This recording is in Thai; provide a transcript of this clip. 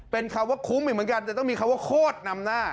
เป็นคำว่าคุ้มอีกเหมือนกันจะต้องมีคำว่าโคตรนำหน้า